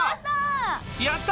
やった！